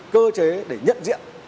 cơ chế để nhận diện